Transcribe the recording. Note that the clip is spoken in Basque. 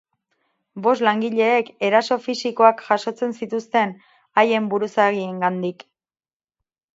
Bost langileek eraso fisikoak jasotzen zituzten haien buruzagiengandik.